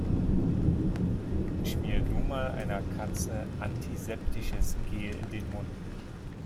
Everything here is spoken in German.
Schmier du mal einer Katze antiseptisches Gel in den Mund.